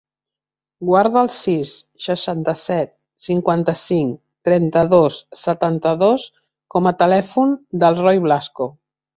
Guarda el sis, seixanta-set, cinquanta-cinc, trenta-dos, setanta-dos com a telèfon del Roi Blasco.